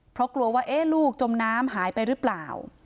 เพราะกลัวว่าลูกจมน้ำหายไปหรือเปล่า